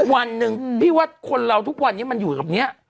วันหนึ่งพี่ว่าคนเราทุกวันนี้มันอยู่กับเนี่ย